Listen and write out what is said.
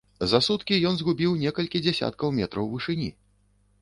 За суткі ён згубіў некалькі дзясяткаў метраў вышыні.